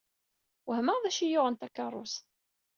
Wehmeɣ d acu i yuɣen takerrust?